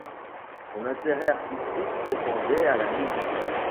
Son intérêt artistique s'étendait à la musique.